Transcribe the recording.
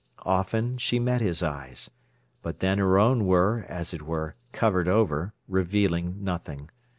Often she met his eyes. But then her own were, as it were, covered over, revealing nothing.